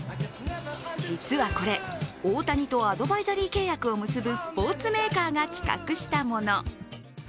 実はこれ、大谷とアドバイザリー契約を結ぶスポーツメーカーが企画したもの。